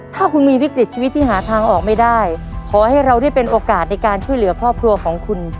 ถ้าคุณมีวิกฤตชีวิตที่หาทางออกไม่ได้ขอให้เราได้เป็นโอกาสในการช่วยเหลือครอบครัวของคุณ